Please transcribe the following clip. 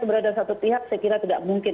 berada pada satu pihak saya kira tidak mungkin